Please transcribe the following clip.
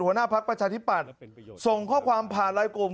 หัวหน้าพักประชาธิปัตย์ส่งข้อความผ่านไลน์กลุ่ม